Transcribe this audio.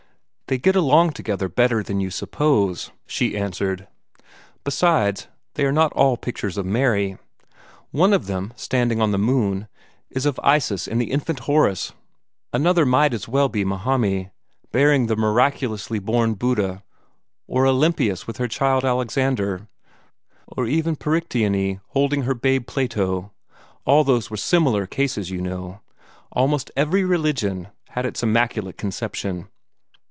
"They get along together better than you suppose," she answered. "Besides, they are not all pictures of Mary. One of them, standing on the moon, is of Isis with the infant Horus in her arms. Another might as well be Mahamie, bearing the miraculously born Buddha, or Olympias with her child Alexander, or even Perictione holding her babe Plato all these were similar cases, you know. Almost every religion had its Immaculate Conception.